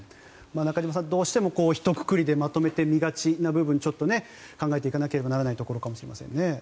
中島さんどうしてもひとくくりでまとめて見がちな部分をちょっと、考えていかなければいけないところかもしれないですね。